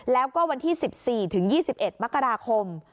แล้วก็วันที่๑๔ถึง๒๑มกราคม